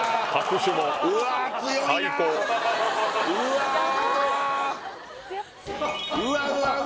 うわうわうわ